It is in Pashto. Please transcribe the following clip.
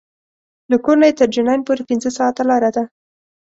له کور نه یې تر جنین پورې پنځه ساعته لاره ده.